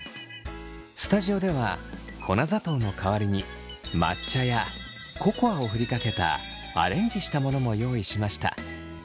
スタジオでは粉砂糖の代わりに抹茶やココアをふりかけたアレンジしたものも用意しました。